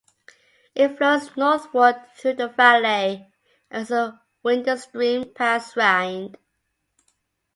It flows northward through the valley as a winding stream, past Rand.